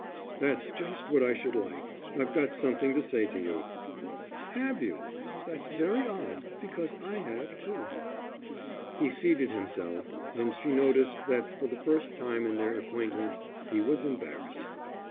"That's just what I should like. I've got something to say to you." "Have you? That's very odd, because I have too." He seated himself, and she noticed that for the first time in their acquaintance, he was embarrassed.